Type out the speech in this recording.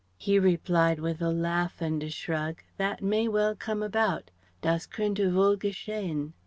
He replied with a laugh and a shrug "That may well come about." ("Das könnte wohl geschehen.")